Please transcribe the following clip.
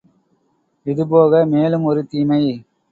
இதுபோக மேலும் ஒரு தீமை!